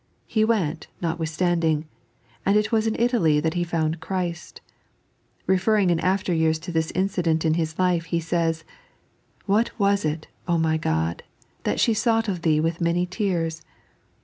He went, notwithstanding, and it was in Italy that he found Christ. Referring in after years to this incident in his life, he says :" Wbat was it, my Ood, that she sought of Thee with many tears